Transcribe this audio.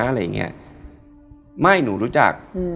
อะไรอย่างเงี้ยไม่หนูรู้จักอืม